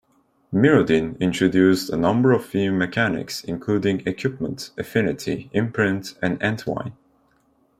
"Mirrodin" introduced a number of new mechanics, including Equipment, Affinity, Imprint and Entwine.